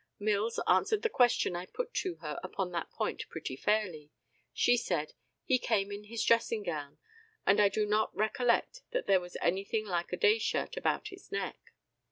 Mills answered the question I put to her upon that point pretty fairly; she said, "He came in his dressing gown, and I do not recollect that there was anything like a day shirt about his neck."